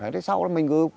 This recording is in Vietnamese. thế sau đó mình cứ